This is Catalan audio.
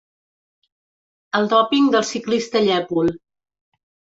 El dòping del ciclista llèpol.